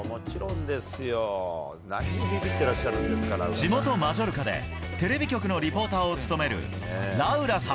地元マジョルカで、テレビ局のリポーターを務めるラウラさん。